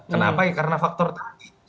kenapa karena faktor tadi